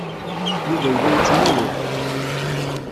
Yuba yella yettmurud.